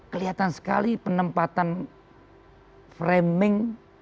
kelihatan sekali penempatan framing